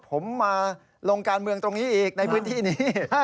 ผมมาลงการเมืองตรงนี้อีกในพื้นที่นี้